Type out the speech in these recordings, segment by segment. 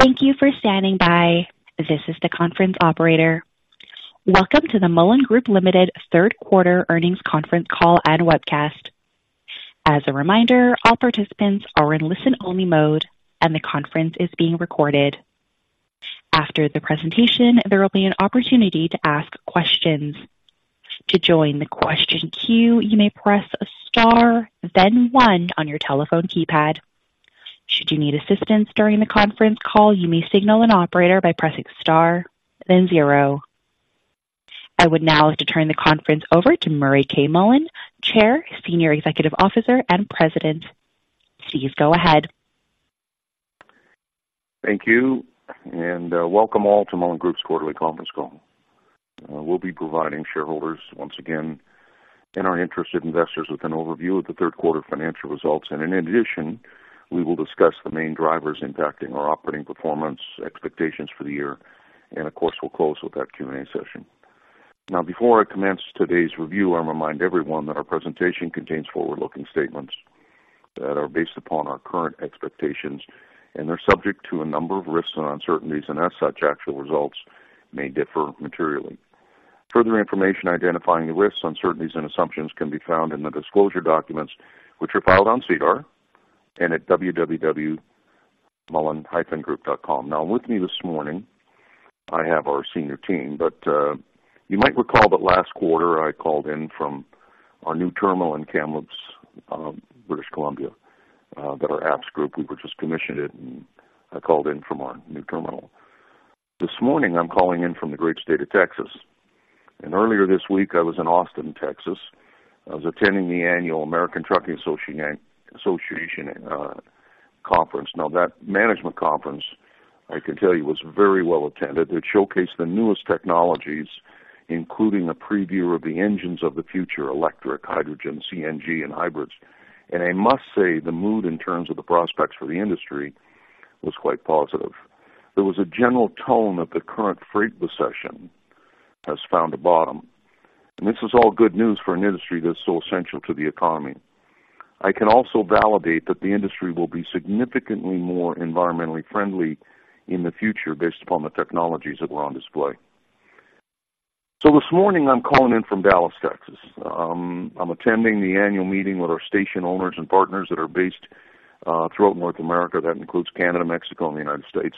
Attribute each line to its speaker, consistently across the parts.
Speaker 1: Thank you for standing by. This is the conference operator. Welcome to the Mullen Group Limited third quarter earnings conference call and webcast. As a reminder, all participants are in listen-only mode, and the conference is being recorded. After the presentation, there will be an opportunity to ask questions. To join the question queue, you may press Star, then one on your telephone keypad. Should you need assistance during the conference call, you may signal an operator by pressing Star, then zero. I would now like to turn the conference over to Murray K. Mullen, Chair, Senior Executive Officer, and President. Please go ahead.
Speaker 2: Thank you, and, welcome all to Mullen Group's quarterly conference call. We'll be providing shareholders once again, and our interested investors with an overview of the third quarter financial results. In addition, we will discuss the main drivers impacting our operating performance, expectations for the year, and of course, we'll close with that Q&A session. Now, before I commence today's review, I remind everyone that our presentation contains forward-looking statements that are based upon our current expectations, and they're subject to a number of risks and uncertainties, and as such, actual results may differ materially. Further information identifying the risks, uncertainties, and assumptions can be found in the disclosure documents, which are filed on SEDAR and at www.mullen-group.com. Now, with me this morning, I have our senior team, but, you might recall that last quarter I called in from our new terminal in Kamloops, British Columbia, that our APPS group, we were just commissioned it, and I called in from our new terminal. This morning, I'm calling in from the great state of Texas, and earlier this week, I was in Austin, Texas. I was attending the annual American Trucking Associations conference. Now, that management conference, I can tell you, was very well attended. It showcased the newest technologies, including a preview of the engines of the future, electric, hydrogen, CNG, and hybrids. And I must say, the mood in terms of the prospects for the industry was quite positive. There was a general tone that the current freight recession has found a bottom, and this is all good news for an industry that's so essential to the economy. I can also validate that the industry will be significantly more environmentally friendly in the future based upon the technologies that were on display. So this morning, I'm calling in from Dallas, Texas. I'm attending the annual meeting with our station owners and partners that are based throughout North America. That includes Canada, Mexico, and the United States.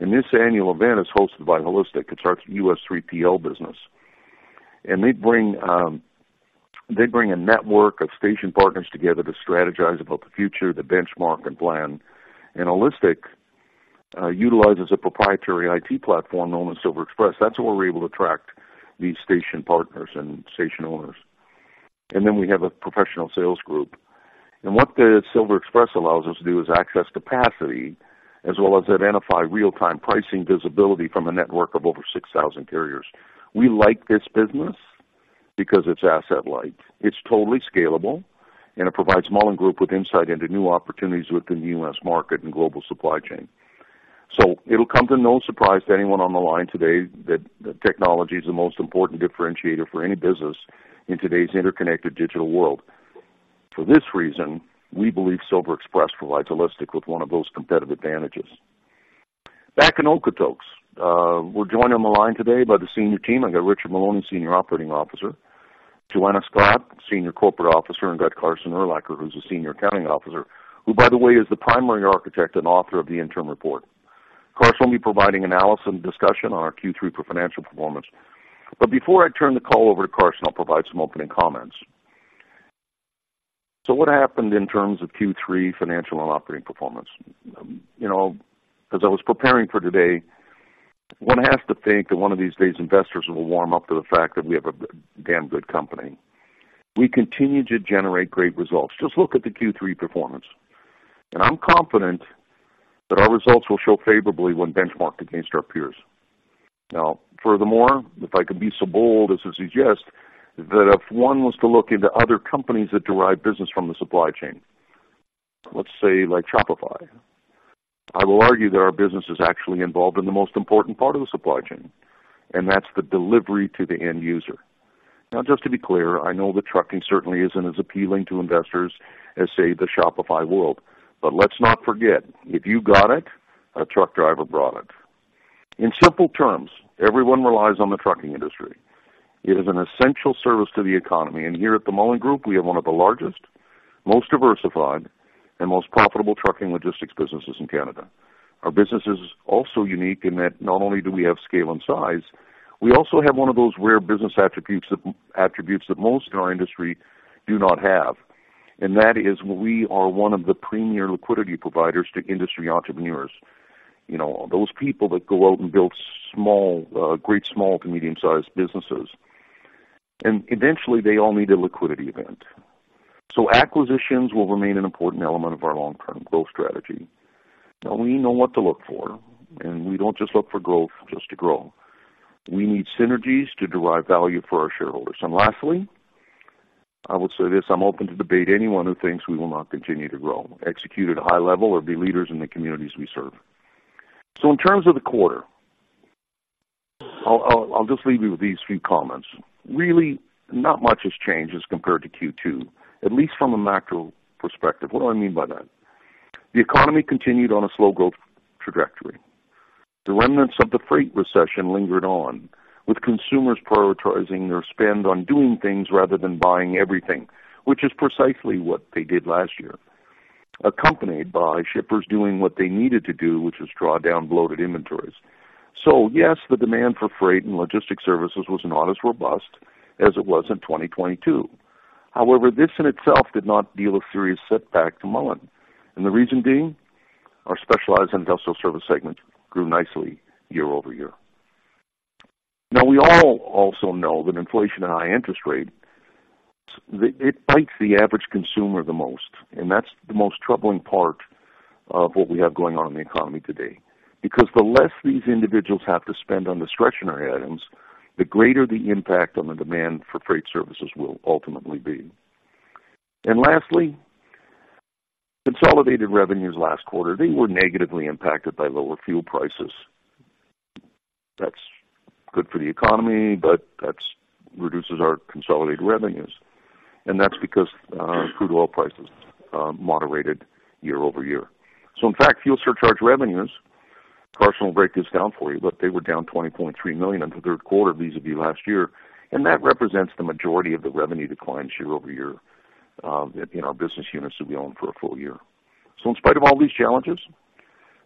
Speaker 2: This annual event is hosted by Haulistic. It's our U.S. 3PL business, and they bring a network of station partners together to strategize about the future, to benchmark, and plan. Haulistic utilizes a proprietary IT platform known as SilverExpress. That's where we're able to track these station partners and station owners. Then we have a professional sales group. What the SilverExpress allows us to do is access capacity as well as identify real-time pricing visibility from a network of over 6,000 carriers. We like this business because it's asset light, it's totally scalable, and it provides Mullen Group with insight into new opportunities within the U.S. market and global supply chain. It'll come to no surprise to anyone on the line today that technology is the most important differentiator for any business in today's interconnected digital world. For this reason, we believe SilverExpress provides Haulistic with one of those competitive advantages. Back in Okotoks, we're joined on the line today by the senior team. I've got Richard Maloney, Senior Operating Officer, Joanna Scott, Senior Corporate Officer, and got Carson Urlacher, who's the Senior Accounting Officer, who, by the way, is the primary architect and author of the interim report. Carson Urlacher will be providing analysis and discussion on our Q3 for financial performance. But before I turn the call over to Carson Urlacher, I'll provide some opening comments. So what happened in terms of Q3 financial and operating performance? You know, as I was preparing for today, one has to think that one of these days, investors will warm up to the fact that we have a damn good company. We continue to generate great results. Just look at the Q3 performance, and I'm confident that our results will show favorably when benchmarked against our peers. Now, furthermore, if I could be so bold as to suggest that if one was to look into other companies that derive business from the supply chain, let's say, like Shopify, I will argue that our business is actually involved in the most important part of the supply chain, and that's the delivery to the end user. Now, just to be clear, I know that trucking certainly isn't as appealing to investors as, say, the Shopify world. But let's not forget, if you got it, a truck driver brought it. In simple terms, everyone relies on the trucking industry. It is an essential service to the economy, and here at the Mullen Group, we have one of the largest, most diversified, and most profitable trucking logistics businesses in Canada. Our business is also unique in that not only do we have scale and size, we also have one of those rare business attributes that most in our industry do not have, and that is we are one of the premier liquidity providers to industry entrepreneurs. You know, those people that go out and build small, great small to medium-sized businesses, and eventually they all need a liquidity event. So acquisitions will remain an important element of our long-term growth strategy. Now, we know what to look for, and we don't just look for growth just to grow. We need synergies to derive value for our shareholders. And lastly, I will say this: I'm open to debate anyone who thinks we will not continue to grow, execute at a high level, or be leaders in the communities we serve. So in terms of the quarter... I'll just leave you with these few comments. Really, not much has changed as compared to Q2, at least from a macro perspective. What do I mean by that? The economy continued on a slow growth trajectory. The remnants of the freight recession lingered on, with consumers prioritizing their spend on doing things rather than buying everything, which is precisely what they did last year, accompanied by shippers doing what they needed to do, which is draw down bloated inventories. So yes, the demand for freight and logistics services was not as robust as it was in 2022. However, this in itself did not deal a serious setback to Mullen. And the reason being, our Specialized Industrial Service segment grew nicely year-over-year. Now, we all also know that inflation and high interest rates, it bites the average consumer the most, and that's the most troubling part of what we have going on in the economy today, because the less these individuals have to spend on discretionary items, the greater the impact on the demand for freight services will ultimately be. And lastly, consolidated revenues last quarter, they were negatively impacted by lower fuel prices. That's good for the economy, but that reduces our consolidated revenues, and that's because crude oil prices moderated year-over-year. So in fact, fuel surcharge revenues, Carson will break this down for you, but they were down 20.3 million on the third quarter vis-a-vis last year, and that represents the majority of the revenue declines year-over-year in our business units that we own for a full-year. So in spite of all these challenges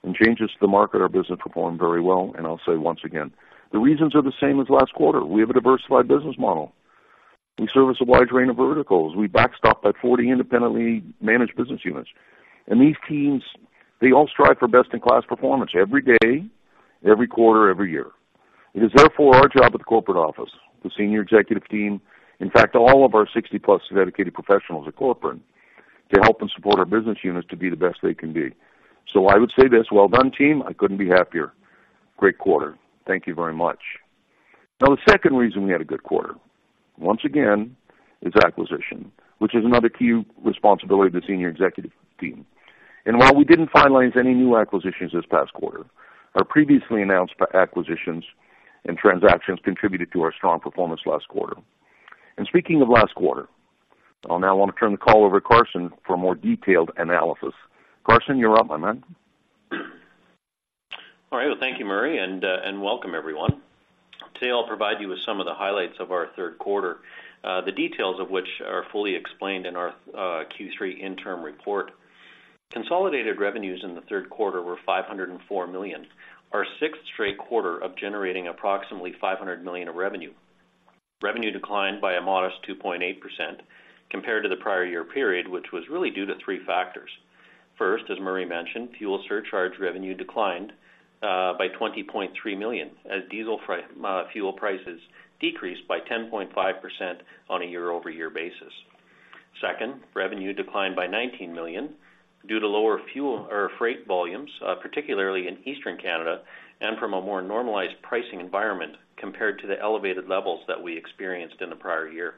Speaker 2: and changes to the market, our business performed very well. I'll say, once again, the reasons are the same as last quarter. We have a diversified business model. We service a wide range of verticals. We backstop by 40 independently managed business units, and these teams, they all strive for best-in-class performance every day, every quarter, every year. It is therefore our job at the corporate office, the senior executive team, in fact, all of our 60+ dedicated professionals at corporate, to help and support our business units to be the best they can be. So I would say this: Well done, team. I couldn't be happier. Great quarter. Thank you very much. Now, the second reason we had a good quarter, once again, is acquisition, which is another key responsibility of the senior executive team. While we didn't finalize any new acquisitions this past quarter, our previously announced acquisitions and transactions contributed to our strong performance last quarter. Speaking of last quarter, I'll now want to turn the call over to Carson for a more detailed analysis. Carson, you're up, my man.
Speaker 3: All right. Well, thank you, Murray, and welcome everyone. Today, I'll provide you with some of the highlights of our third quarter, the details of which are fully explained in our Q3 interim report. Consolidated revenues in the third quarter were 504 million, our 6th straight quarter of generating approximately 500 million of revenue. Revenue declined by a modest 2.8% compared to the prior year period, which was really due to three factors. First, as Murray mentioned, fuel surcharge revenue declined by 20.3 million, as diesel fuel prices decreased by 10.5% on a year-over-year basis. Second, revenue declined by 19 million due to lower fuel or freight volumes, particularly in Eastern Canada, and from a more normalized pricing environment compared to the elevated levels that we experienced in the prior year.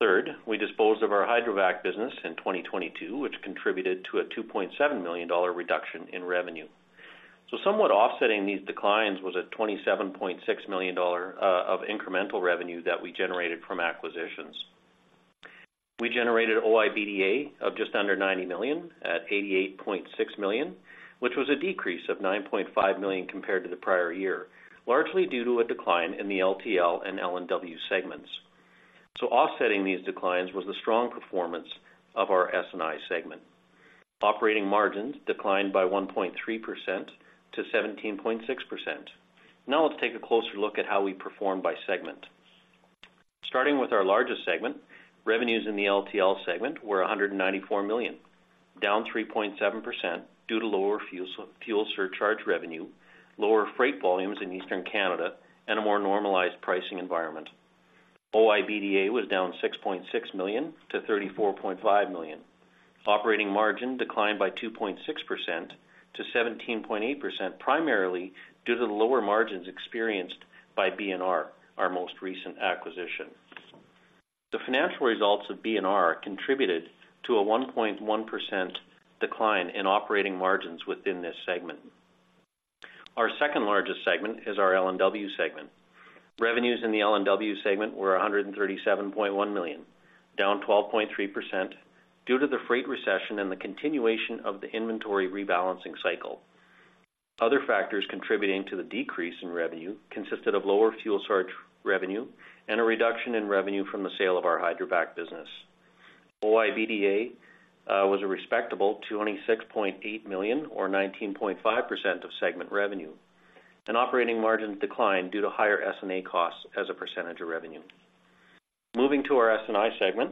Speaker 3: Third, we disposed of our hydrovac business in 2022, which contributed to a 2.7 million dollar reduction in revenue. So somewhat offsetting these declines was a 27.6 million dollar of incremental revenue that we generated from acquisitions. We generated OIBDA of just under 90 million, at 88.6 million, which was a decrease of 9.5 million compared to the prior year, largely due to a decline in the LTL and L&W segments. So offsetting these declines was the strong performance of our S&I segment. Operating margins declined by 1.3%-17.6%. Now, let's take a closer look at how we performed by segment. Starting with our largest segment, revenues in the LTL segment were 194 million, down 3.7% due to lower fuel, fuel surcharge revenue, lower freight volumes in Eastern Canada, and a more normalized pricing environment. OIBDA was down 6.6 million to 34.5 million. Operating margin declined by 2.6%-17.8%, primarily due to the lower margins experienced by B&R, our most recent acquisition. The financial results of B&R contributed to a 1.1% decline in operating margins within this segment. Our second largest segment is our L&W segment. Revenues in the L&W segment were 137.1 million, down 12.3% due to the freight recession and the continuation of the inventory rebalancing cycle. Other factors contributing to the decrease in revenue consisted of lower fuel surcharge revenue and a reduction in revenue from the sale of our Hydrovac business. OIBDA was a respectable 26.8 million, or 19.5% of segment revenue, and operating margins declined due to higher S&A costs as a percentage of revenue. Moving to our S&I segment,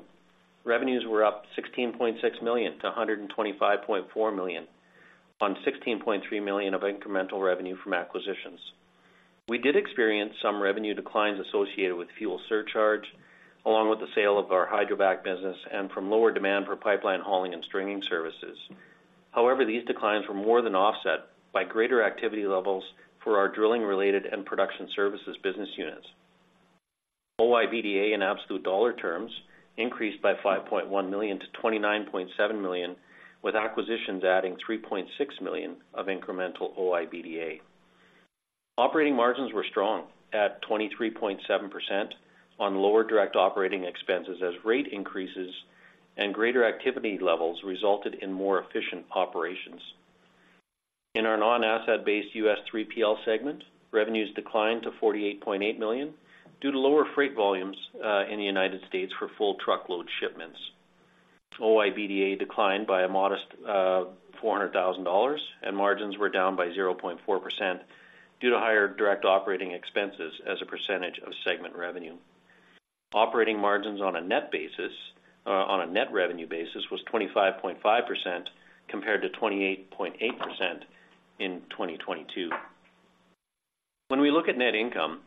Speaker 3: revenues were up 16.6 million to 125.4 million, on 16.3 million of incremental revenue from acquisitions. We did experience some revenue declines associated with fuel surcharge, along with the sale of our hydrovac business and from lower demand for pipeline hauling and stringing services. However, these declines were more than offset by greater activity levels for our drilling-related and production services business units. OIBDA in absolute dollar terms increased by 5.1 million to 29.7 million, with acquisitions adding 3.6 million of incremental OIBDA. Operating margins were strong at 23.7% on lower direct operating expenses as rate increases and greater activity levels resulted in more efficient operations. In our non-asset-based U.S. 3PL segment, revenues declined to 48.8 million due to lower freight volumes in the United States for full truckload shipments. OIBDA declined by a modest 400,000 dollars, and margins were down by 0.4% due to higher direct operating expenses as a percentage of segment revenue. Operating margins on a net basis on a net revenue basis was 25.5%, compared to 28.8% in 2022. When we look at net income,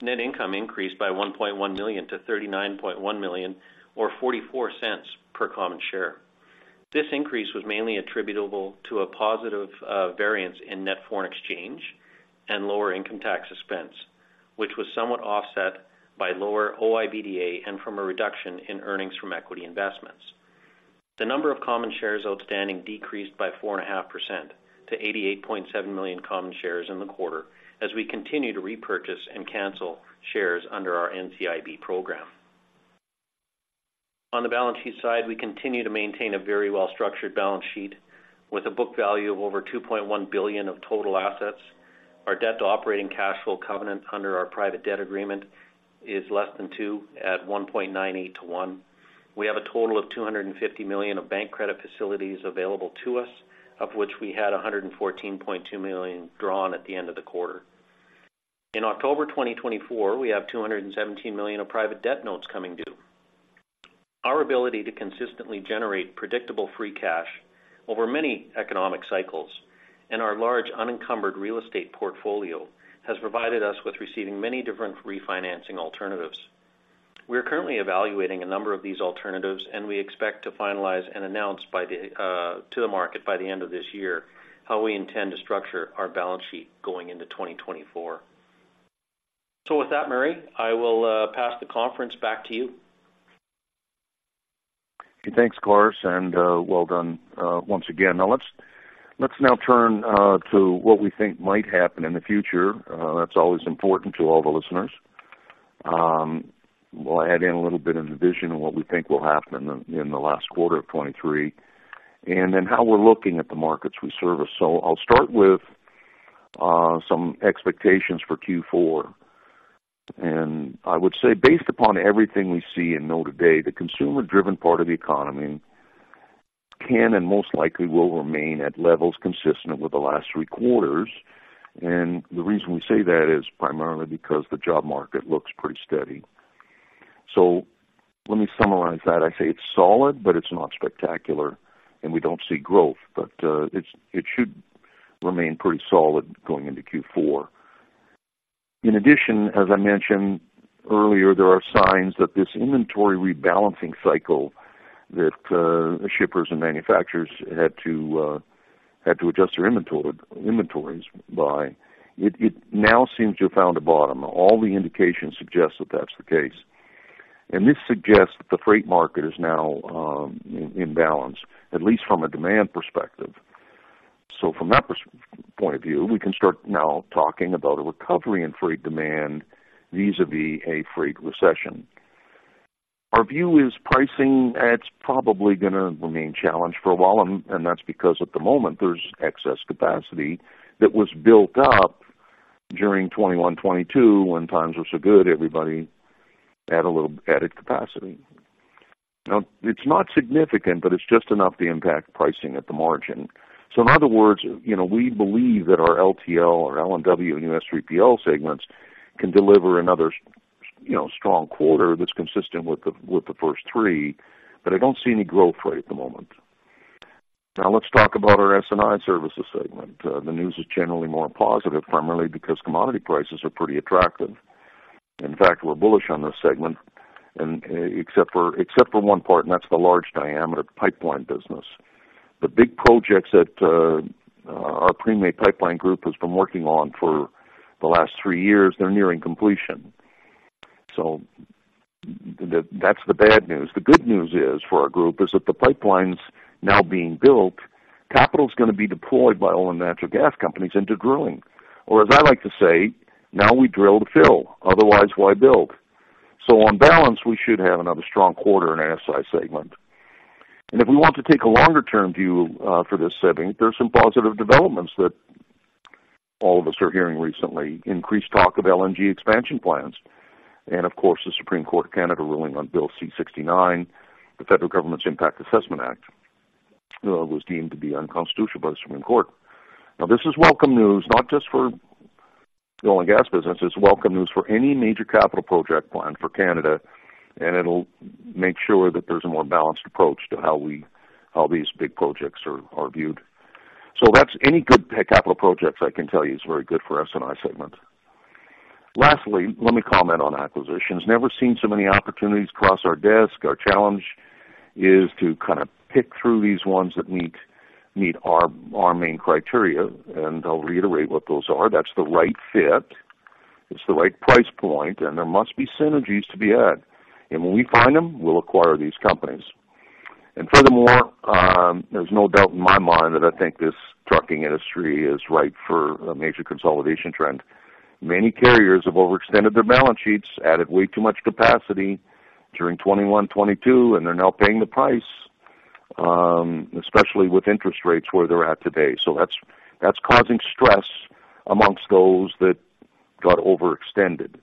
Speaker 3: net income increased by 1.1 million to 39.1 million, or 0.44 per common share. This increase was mainly attributable to a positive variance in net foreign exchange and lower income tax expense, which was somewhat offset by lower OIBDA and from a reduction in earnings from equity investments. The number of common shares outstanding decreased by 4.5% to 88.7 million common shares in the quarter, as we continue to repurchase and cancel shares under our NCIB program. On the balance sheet side, we continue to maintain a very well-structured balance sheet with a book value of over 2.1 billion of total assets. Our debt to operating cash flow covenant under our private debt agreement is less than 2 at 1.98 to 1. We have a total of 250 million of bank credit facilities available to us, of which we had 114.2 million drawn at the end of the quarter. In October 2024, we have 217 million of private debt notes coming due. Our ability to consistently generate predictable free cash over many economic cycles and our large unencumbered real estate portfolio has provided us with receiving many different refinancing alternatives. We are currently evaluating a number of these alternatives, and we expect to finalize and announce to the market by the end of this year, how we intend to structure our balance sheet going into 2024. So with that, Murray, I will pass the conference back to you.
Speaker 2: Thanks, Carson and, well done, once again. Now, let's now turn to what we think might happen in the future. That's always important to all the listeners. We'll add in a little bit of the vision of what we think will happen in the last quarter of 2023, and then how we're looking at the markets we service. So I'll start with some expectations for Q4. And I would say, based upon everything we see and know today, the consumer-driven part of the economy can and most likely will remain at levels consistent with the last three quarters. And the reason we say that is primarily because the job market looks pretty steady. So let me summarize that. I say it's solid, but it's not spectacular, and we don't see growth, but it should remain pretty solid going into Q4. In addition, as I mentioned earlier, there are signs that this inventory rebalancing cycle that shippers and manufacturers had to adjust their inventory, inventories now seems to have found a bottom. All the indications suggest that that's the case. And this suggests that the freight market is now in balance, at least from a demand perspective. So from that point of view, we can start now talking about a recovery in freight demand, vis-a-vis a freight recession. Our view is pricing, that's probably gonna remain challenged for a while, and that's because at the moment, there's excess capacity that was built up during 2021, 2022, when times were so good, everybody had a little added capacity. Now, it's not significant, but it's just enough to impact pricing at the margin. So in other words, you know, we believe that our LTL or L&W and U.S. 3PL segments can deliver another, you know, strong quarter that's consistent with the, with the first three, but I don't see any growth rate at the moment. Now, let's talk about our S&I Services segment. The news is generally more positive, primarily because commodity prices are pretty attractive. In fact, we're bullish on this segment and except for, except for one part, and that's the large diameter pipeline business. The big projects that our Premay Pipeline group has been working on for the last three years, they're nearing completion. So that's the bad news. The good news is, for our group, is that the pipelines now being built, capital is gonna be deployed by oil and natural gas companies into drilling. Or as I like to say, now we drill to fill. Otherwise, why build? So on balance, we should have another strong quarter in our S&I segment. And if we want to take a longer term view, for this segment, there are some positive developments that all of us are hearing recently. Increased talk of LNG expansion plans, and of course, the Supreme Court of Canada ruling on Bill C-69, the federal government's Impact Assessment Act, was deemed to be unconstitutional by the Supreme Court. Now, this is welcome news, not just for the oil and gas business. It's welcome news for any major capital project plan for Canada, and it'll make sure that there's a more balanced approach to how these big projects are viewed. So that's any good capital projects, I can tell you, is very good for S&I segment. Lastly, let me comment on acquisitions. Never seen so many opportunities cross our desk, our challenge is to kind of pick through these ones that meet, meet our, our main criteria, and I'll reiterate what those are. That's the right fit, it's the right price point, and there must be synergies to be had. And when we find them, we'll acquire these companies. And furthermore, there's no doubt in my mind that I think this trucking industry is ripe for a major consolidation trend. Many carriers have overextended their balance sheets, added way too much capacity during 2021, 2022, and they're now paying the price, especially with interest rates where they're at today. So that's, that's causing stress among those that got overextended.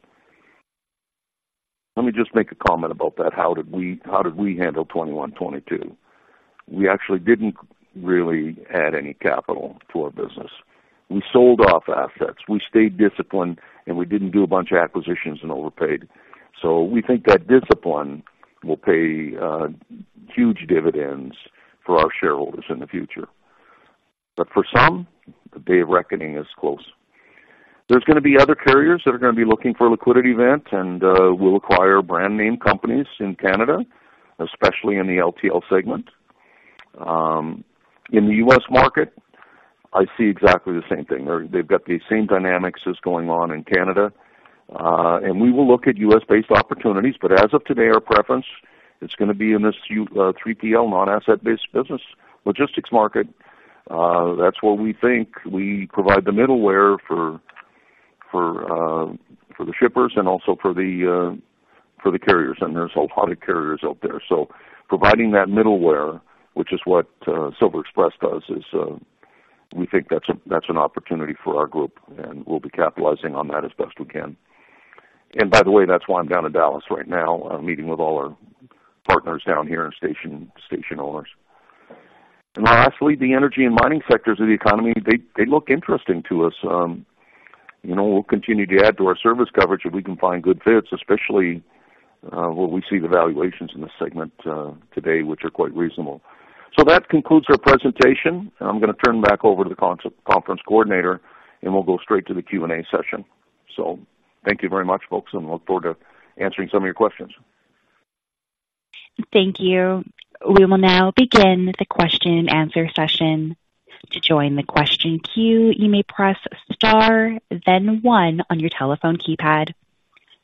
Speaker 2: Let me just make a comment about that. How did we, how did we handle 2021, 2022? We actually didn't really add any capital to our business. We sold off assets, we stayed disciplined, and we didn't do a bunch of acquisitions and overpaid. So we think that discipline will pay huge dividends for our shareholders in the future. But for some, the day of reckoning is close. There's gonna be other carriers that are gonna be looking for a liquidity event, and we'll acquire brand name companies in Canada, especially in the LTL segment. In the U.S. market, I see exactly the same thing. They've got the same dynamics as going on in Canada, and we will look at U.S.-based opportunities. But as of today, our preference, it's gonna be in this 3PL, non-asset-based business logistics market. That's where we think we provide the middleware for the shippers and also for the carriers. And there's a lot of carriers out there. So providing that middleware, which is what SilverExpress does, is we think that's an opportunity for our group, and we'll be capitalizing on that as best we can. And by the way, that's why I'm down in Dallas right now, meeting with all our partners down here and station owners. And lastly, the energy and mining sectors of the economy, they look interesting to us. You know, we'll continue to add to our service coverage if we can find good fits, especially when we see the valuations in this segment today, which are quite reasonable. So that concludes our presentation, and I'm gonna turn it back over to the conference coordinator, and we'll go straight to the Q&A session. So thank you very much, folks, and look forward to answering some of your questions.
Speaker 1: Thank you. We will now begin the question-and-answer session. To join the question queue, you may press Star, then one on your telephone keypad.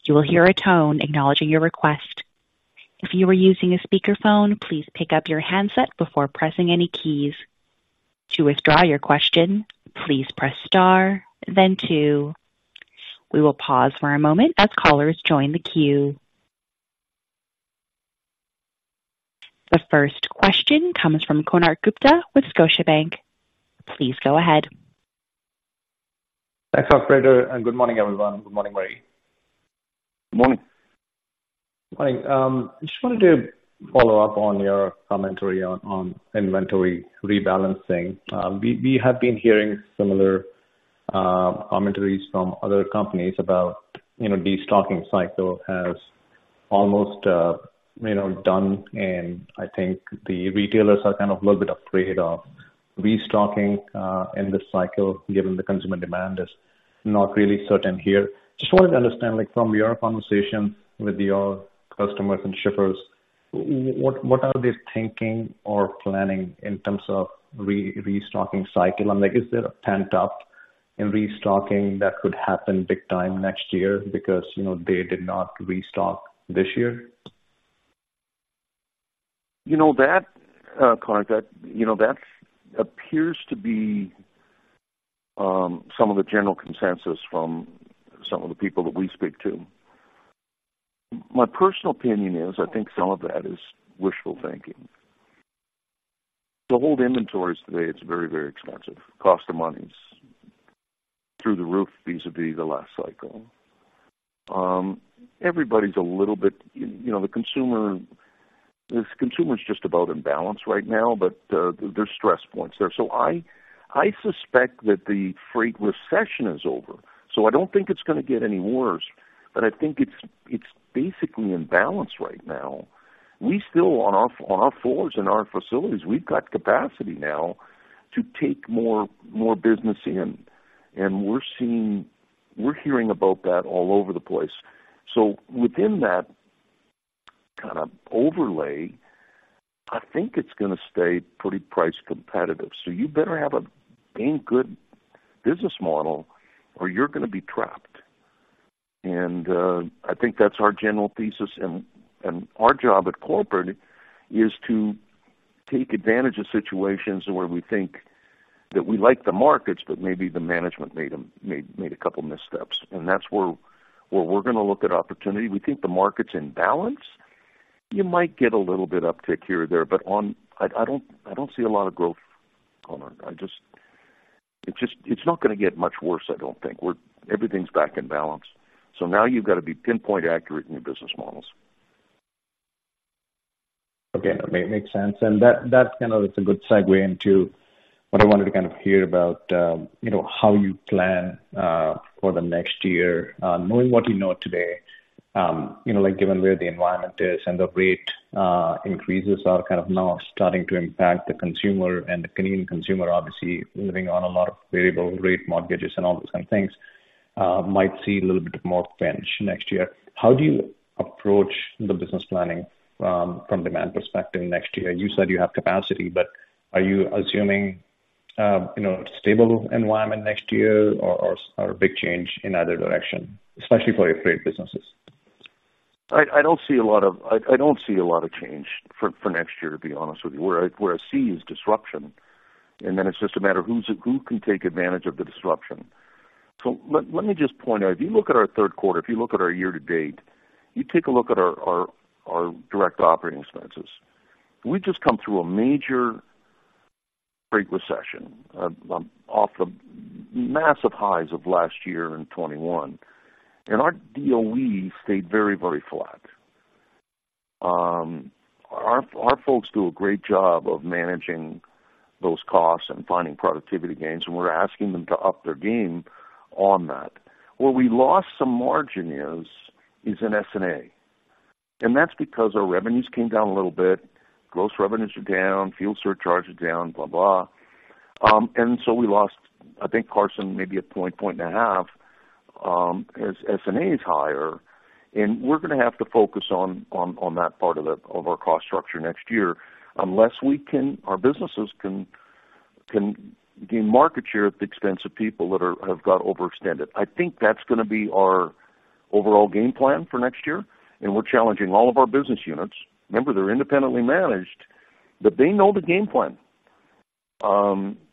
Speaker 1: You will hear a tone acknowledging your request. If you are using a speakerphone, please pick up your handset before pressing any keys. To withdraw your question, please press Star, then two. We will pause for a moment as callers join the queue. The first question comes from Konark Gupta with Scotiabank. Please go ahead.
Speaker 4: Thanks, operator, and good morning, everyone. Good morning, Murray.
Speaker 2: Good morning.
Speaker 4: Morning. I just wanted to follow up on your commentary on inventory rebalancing. We have been hearing similar commentaries from other companies about, you know, destocking cycle has almost, you know, done, and I think the retailers are kind of a little bit afraid of restocking in this cycle, given the consumer demand is not really certain here. Just wanted to understand, like, from your conversation with your customers and shippers, what are they thinking or planning in terms of restocking cycle? And, like, is there a pent up in restocking that could happen big time next year because, you know, they did not restock this year?
Speaker 2: You know that, Konark, that, you know, that appears to be some of the general consensus from some of the people that we speak to. My personal opinion is, I think some of that is wishful thinking. To hold inventories today, it's very, very expensive. Cost of money is through the roof, vis-a-vis the last cycle. Everybody's a little bit, you know, the consumer, the consumer is just about in balance right now, but, there's stress points there. So I, I suspect that the freight recession is over, so I don't think it's gonna get any worse, but I think it's, it's basically in balance right now. We still, on our, on our floors and our facilities, we've got capacity now to take more, more business in, and we're seeing, we're hearing about that all over the place. So within that kind of overlay, I think it's gonna stay pretty price competitive. So you better have a damn good business model or you're gonna be trapped. And I think that's our general thesis, and our job at corporate is to take advantage of situations where we think that we like the markets, but maybe the management made a couple of missteps. And that's where we're gonna look at opportunity. We think the market's in balance. You might get a little bit uptick here or there, but I don't see a lot of growth, Konark. I just, it's not gonna get much worse, I don't think. We're everything's back in balance. So now you've got to be pinpoint accurate in your business models.
Speaker 4: Okay, that makes sense, and that kind of is a good segue into what I wanted to kind of hear about, you know, how you plan for the next year. Knowing what you know today, you know, like, given where the environment is and the rate increases are kind of now starting to impact the consumer and the Canadian consumer, obviously living on a lot of variable rate mortgages and all those kind of things... might see a little bit more change next year. How do you approach the business planning from demand perspective next year? You said you have capacity, but are you assuming, you know, stable environment next year or a big change in either direction, especially for your freight businesses?
Speaker 2: I don't see a lot of change for next year, to be honest with you. Where I see is disruption, and then it's just a matter of who can take advantage of the disruption. So let me just point out, if you look at our third quarter, if you look at our year-to-date, you take a look at our direct operating expenses. We've just come through a major freight recession off the massive highs of last year in 2021, and our DOE stayed very, very flat. Our folks do a great job of managing those costs and finding productivity gains, and we're asking them to up their game on that. Where we lost some margin is in S&A, and that's because our revenues came down a little bit. Gross revenues are down, fuel surcharge are down, blah, blah. And so we lost, I think, Carson, maybe 1.5, as S&A is higher, and we're gonna have to focus on that part of our cost structure next year. Unless we can. Our businesses can gain market share at the expense of people that have got overextended. I think that's gonna be our overall game plan for next year, and we're challenging all of our business units. Remember, they're independently managed, but they know the game plan.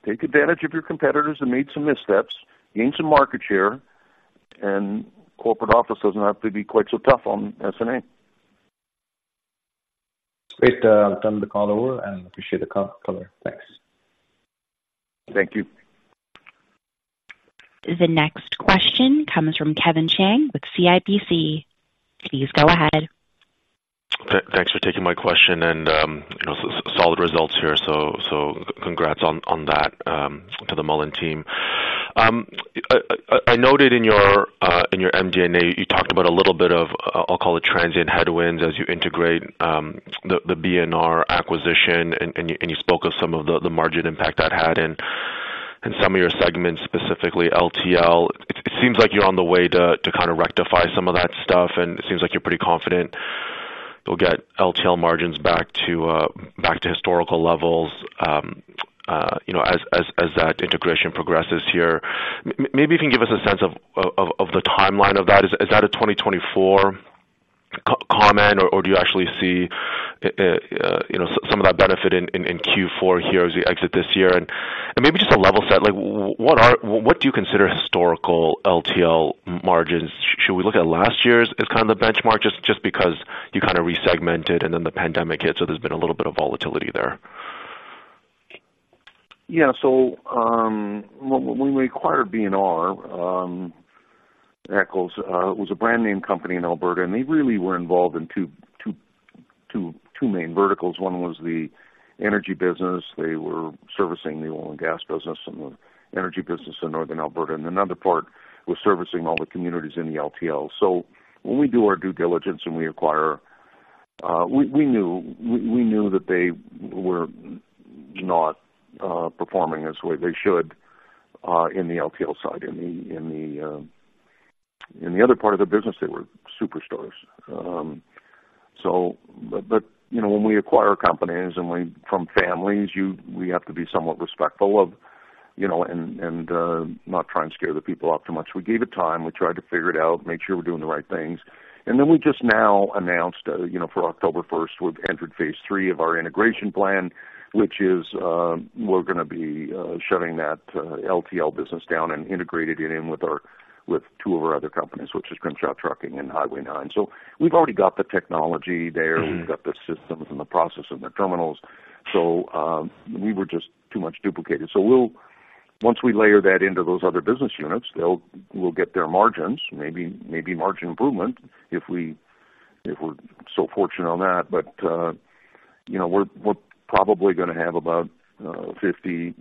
Speaker 2: Take advantage of your competitors that made some missteps, gain some market share, and corporate office doesn't have to be quite so tough on S&A.
Speaker 4: Great. I'll turn the call over and appreciate the color. Thanks.
Speaker 2: Thank you.
Speaker 1: The next question comes from Kevin Chiang with CIBC. Please go ahead.
Speaker 5: Thanks for taking my question and, you know, solid results here, so congrats on that to the Mullen team. I noted in your MD&A, you talked about a little bit of, I'll call it transient headwinds as you integrate the B&R acquisition, and you spoke of some of the margin impact that had in some of your segments, specifically LTL. It seems like you're on the way to kind of rectify some of that stuff, and it seems like you're pretty confident you'll get LTL margins back to historical levels, you know, as that integration progresses here. Maybe you can give us a sense of the timeline of that. Is that a 2024 comment, or do you actually see, you know, some of that benefit in Q4 here as we exit this year? And maybe just a level set, like what are. What do you consider historical LTL margins? Should we look at last year's as kind of the benchmark, just because you kind of resegmented and then the pandemic hit, so there's been a little bit of volatility there?
Speaker 2: Yeah. So, when we acquired B&R Eckel's, it was a brand name company in Alberta, and they really were involved in two main verticals. One was the energy business. They were servicing the oil and gas business and the energy business in northern Alberta, and another part was servicing all the communities in the LTL. So when we do our due diligence and we acquire, we knew that they were not performing as the way they should in the LTL side. In the other part of the business, they were superstars. So but, you know, when we acquire companies from families, we have to be somewhat respectful of, you know, and not try and scare the people off too much. We gave it time. We tried to figure it out, make sure we're doing the right things, and then we just now announced, you know, for October first, we've entered phase three of our integration plan, which is, we're gonna be shutting that LTL business down and integrated it in with our, with two of our other companies, which is Grimshaw Trucking and Hi-Way 9. So we've already got the technology there We've got the systems and the process and the terminals, so, we were just too much duplicated. So we'll, once we layer that into those other business units, they'll, we'll get their margins, maybe, maybe margin improvement, if we, if we're so fortunate on that. But, you know, we're, we're probably gonna have about, 50,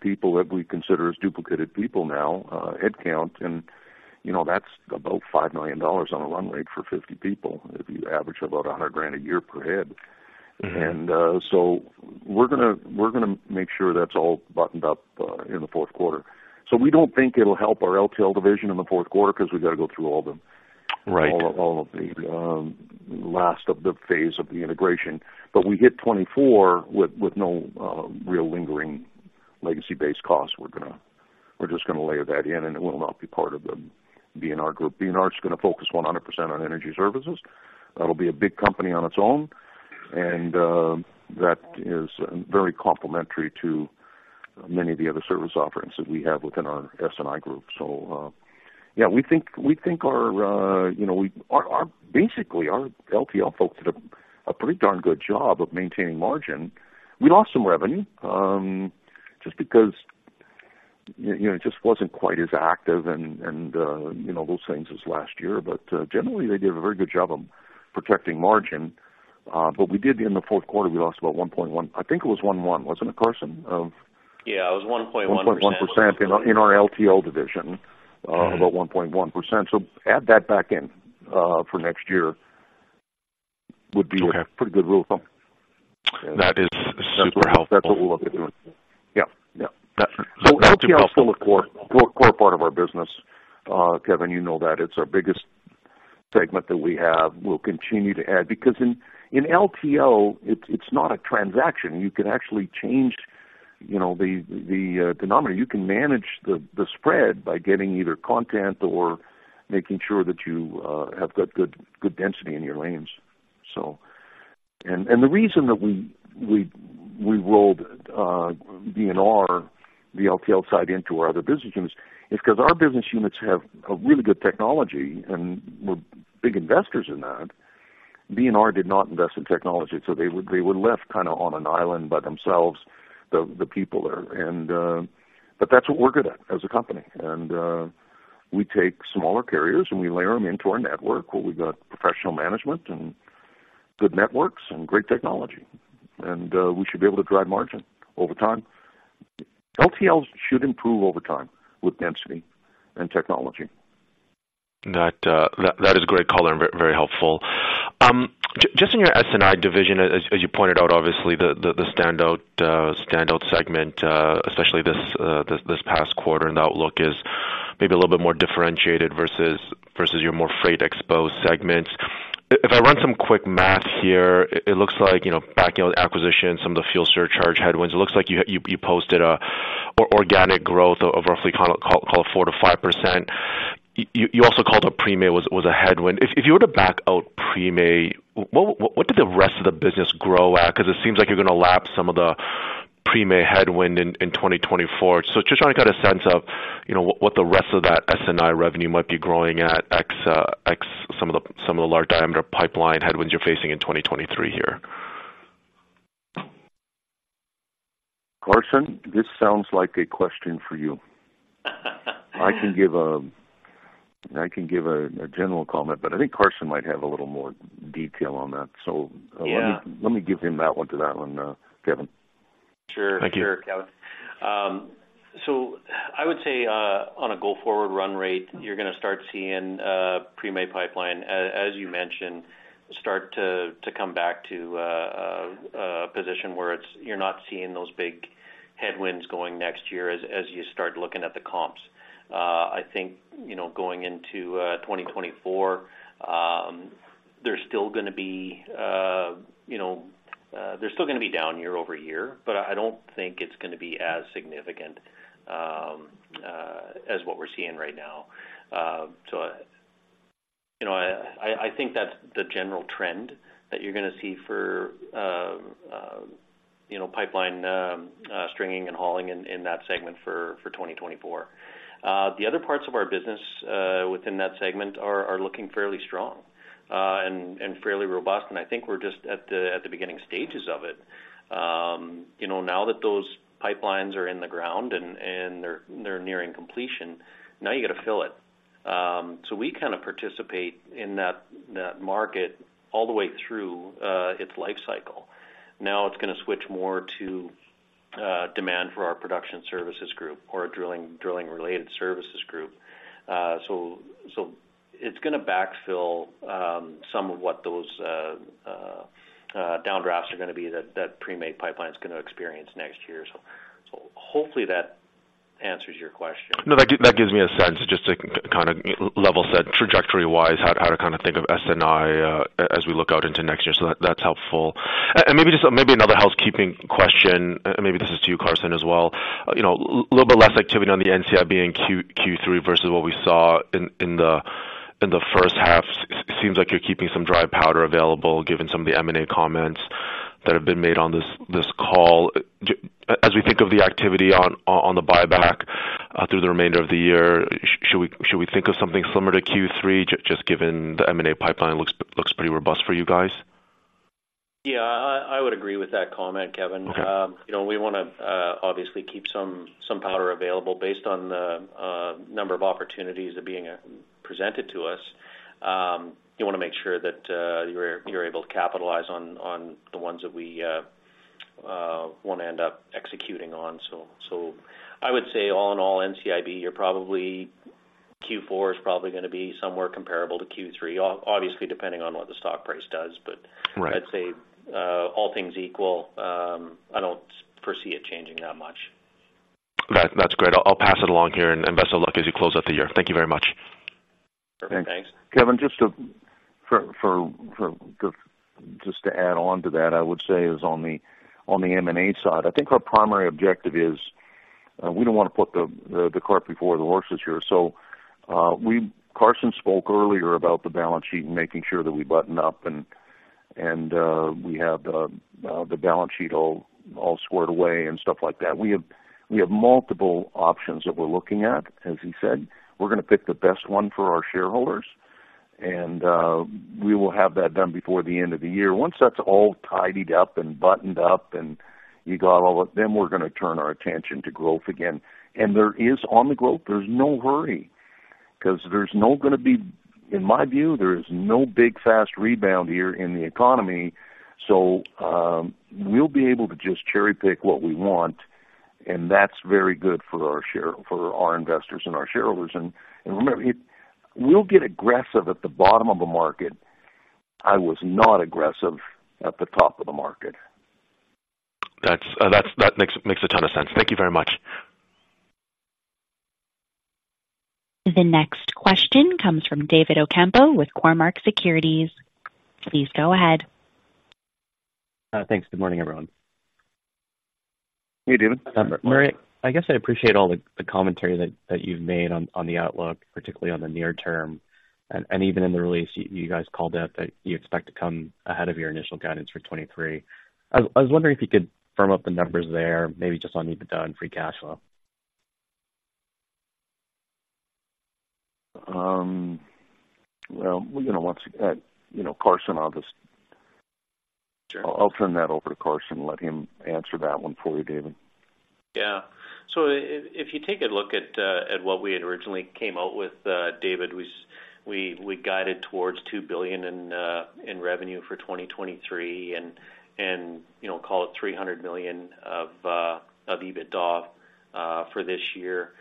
Speaker 2: people that we consider as duplicated people now, head count, and, you know, that's about 5 million dollars on a run rate for 50 people, if you average about 100,000 a year per head. So we're gonna, we're gonna make sure that's all buttoned up in the fourth quarter. So we don't think it'll help our LTL division in the fourth quarter, 'cause we've got to go through all the-
Speaker 5: Right.
Speaker 2: All, all of the last of the phase of the integration. But we hit 24 with, with no real lingering legacy base costs. We're gonna, we're just gonna layer that in, and it will not be part of the B&R group. B&R is gonna focus 100% on energy services. That'll be a big company on its own, and that is very complementary to many of the other service offerings that we have within our S&I group. So, yeah, we think, we think our, you know, we, our, our, basically our LTL folks did a pretty darn good job of maintaining margin. We lost some revenue, just because, you know, it just wasn't quite as active and, and, you know, those things as last year. But, generally, they did a very good job of protecting margin. But we did in the fourth quarter, we lost about 1.1%. I think it was 1.1%, wasn't it, Carson, of-
Speaker 3: Yeah, it was 1.1%.
Speaker 2: 1.1% in our LTL division. About 1.1%, so add that back in, for next year... would be a pretty good rule of thumb.
Speaker 5: That is super helpful.
Speaker 2: That's what we're looking at doing. Yeah, yeah.
Speaker 5: That's helpful.
Speaker 2: So LTL is still a core, core part of our business, Kevin, you know that. It's our biggest segment that we have. We'll continue to add because in LTL, it's not a transaction. You can actually change, you know, the denominator. You can manage the spread by getting either content or making sure that you have got good density in your lanes, so. And the reason that we rolled B&R, the LTL side into our other business units, is because our business units have a really good technology, and we're big investors in that. B&R did not invest in technology, so they were left kind of on an island by themselves, the people there. And, but that's what we're good at as a company. We take smaller carriers, and we layer them into our network, where we've got professional management and good networks and great technology, and we should be able to drive margin over time. LTL should improve over time with density and technology.
Speaker 5: That is a great color and very, very helpful. Just in your S&I division, as you pointed out, obviously the standout segment, especially this past quarter, and the outlook is maybe a little bit more differentiated versus your more freight-exposed segments. If I run some quick math here, it looks like backing out the acquisition, some of the fuel surcharge headwinds, it looks like you posted an organic growth of roughly kind of call it 4%-5%. You also called out Premay was a headwind. If you were to back out Premay, what did the rest of the business grow at? Because it seems like you're going to lap some of the Premay headwind in 2024. So, just trying to get a sense of, you know, what the rest of that S&I revenue might be growing at, ex some of the large diameter pipeline headwinds you're facing in 2023 here.
Speaker 2: Carson, this sounds like a question for you. I can give a general comment, but I think Carson might have a little more detail on that. So-
Speaker 3: Yeah.
Speaker 2: Let me, let me give him that one to that one, Kevin.
Speaker 5: Sure.
Speaker 2: Thank you.
Speaker 3: Sure, Kevin. So I would say, on a go-forward run rate, you're going to start seeing, Premay Pipeline, as you mentioned, start to come back to a position where it's. You're not seeing those big headwinds going next year as you start looking at the comps. I think, you know, going into 2024, there's still going to be, you know, there's still going to be down year-over-year, but I don't think it's going to be as significant as what we're seeing right now. So, you know, I think that's the general trend that you're going to see for, you know, pipeline stringing and hauling in that segment for 2024. The other parts of our business within that segment are looking fairly strong and fairly robust, and I think we're just at the beginning stages of it. You know, now that those pipelines are in the ground and they're nearing completion, now you got to fill it. So we kind of participate in that market all the way through its life cycle. Now it's going to switch more to demand for our Production Services Group or drilling-related services group. So it's going to backfill some of what those downdrafts are going to be that Premay Pipeline is going to experience next year. So hopefully that answers your question.
Speaker 5: No, that gives me a sense, just to kind of level set, trajectory-wise, how to kind of think of S&I, as we look out into next year. So that's helpful. And maybe just, maybe another housekeeping question, maybe this is to you, Carson, as well. You know, little bit less activity on the NCIB in Q3 versus what we saw in the first half. It seems like you're keeping some dry powder available, given some of the M&A comments that have been made on this call. Just as we think of the activity on the buyback, through the remainder of the year, should we think of something similar to Q3, just given the M&A pipeline looks pretty robust for you guys?
Speaker 2: Yeah, I would agree with that comment, Kevin.
Speaker 5: Okay.
Speaker 3: You know, we want to obviously keep some powder available based on the number of opportunities that are being presented to us. You want to make sure that you're able to capitalize on the ones that we want to end up executing on. So I would say, all in all, NCIB, you're probably Q4 is probably going to be somewhere comparable to Q3, obviously, depending on what the stock price does.
Speaker 5: Right.
Speaker 3: But I'd say, all things equal, I don't foresee it changing that much.
Speaker 5: That's, that's great. I'll pass it along here and best of luck as you close out the year. Thank you very much.
Speaker 2: Perfect. Thanks. Kevin, just to add on to that, I would say on the M&A side, I think our primary objective is we don't want to put the cart before the horses here. So, Carson spoke earlier about the balance sheet and making sure that we button up and we have the balance sheet all squared away and stuff like that. We have multiple options that we're looking at, as he said. We're going to pick the best one for our shareholders, and we will have that done before the end of the year. Once that's all tidied up and buttoned up, and you got all that, then we're going to turn our attention to growth again. And there is, on the growth, there's no hurry because there's no going to be... In my view, there is no big, fast rebound here in the economy, so, we'll be able to just cherry-pick what we want.... and that's very good for our share- for our investors and our shareholders. And, and remember, we'll get aggressive at the bottom of the market. I was not aggressive at the top of the market.
Speaker 5: That makes a ton of sense. Thank you very much.
Speaker 1: The next question comes from David Ocampo with Cormark Securities. Please go ahead.
Speaker 6: Thanks. Good morning, everyone.
Speaker 2: Hey, David.
Speaker 6: Murray, I guess I appreciate all the commentary that you've made on the outlook, particularly on the near-term, and even in the release, you guys called out that you expect to come ahead of your initial guidance for 2023. I was wondering if you could firm up the numbers there, maybe just on EBITDA and free cash flow.
Speaker 2: Well, you know, once again, you know, Carson, I'll just-
Speaker 6: Sure.
Speaker 2: I'll turn that over to Carson and let him answer that one for you, David.
Speaker 3: Yeah. So if you take a look at what we had originally came out with, David, we guided towards 2 billion in revenue for 2023, and, you know, call it 300 million of EBITDA for this year.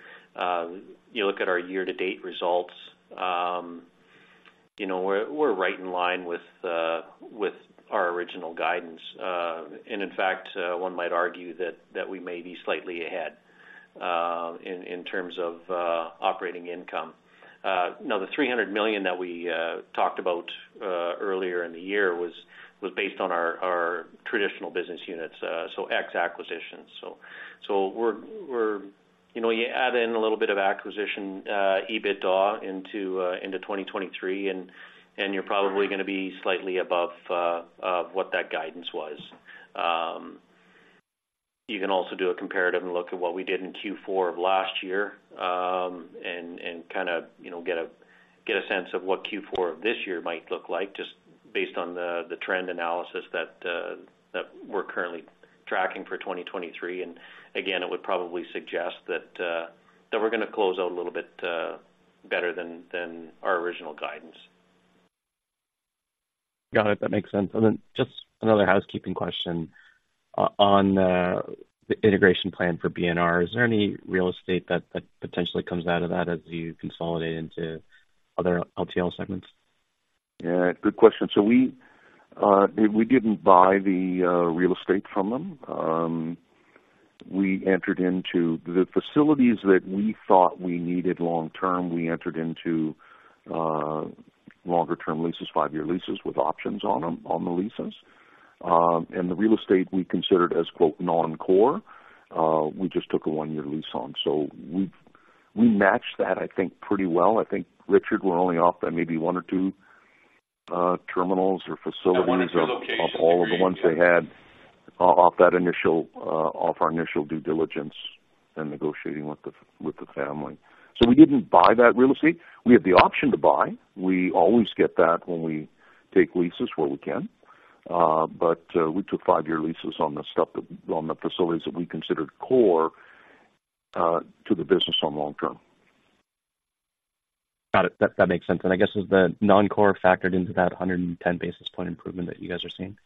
Speaker 3: You look at our year-to-date results, you know, we're right in line with our original guidance. And in fact, one might argue that we may be slightly ahead in terms of operating income. Now, the 300 million that we talked about earlier in the year was based on our traditional business units, so ex acquisitions. So, we're you know, you add in a little bit of acquisition EBITDA into 2023, and you're probably gonna be slightly above what that guidance was. You can also do a comparative and look at what we did in Q4 of last year, and kind of, you know, get a sense of what Q4 of this year might look like, just based on the trend analysis that we're currently tracking for 2023. And again, it would probably suggest that we're gonna close out a little bit better than our original guidance.
Speaker 6: Got it. That makes sense. And then just another housekeeping question on the integration plan for B&R. Is there any real estate that potentially comes out of that as you consolidate into other LTL segments?
Speaker 2: Yeah, good question. So we, we didn't buy the real estate from them. We entered into the facilities that we thought we needed long-term. We entered into longer term leases, 5-year leases, with options on them, on the leases. And the real estate we considered as, quote, "non-core," we just took a 1-year lease on. So we, we matched that, I think, pretty well. I think, Richard, we're only off by maybe 1 or 2 terminals or facilities- One or two locations. Of all of the ones they had off our initial due diligence and negotiating with the family. So we didn't buy that real estate. We had the option to buy. We always get that when we take leases where we can. But we took five-year leases on the facilities that we considered core to the business on long-term.
Speaker 6: Got it. That, that makes sense. I guess, is the non-core factored into that 110 basis point improvement that you guys are seeing?